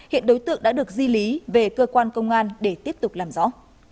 hiện đối tượng đã được di lý về cơ quan công an để tiếp tục làm rõ